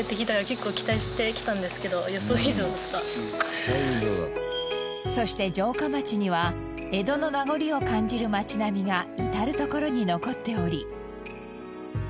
「すごいね」そして城下町には江戸の名残を感じる町並みが至る所に残っており。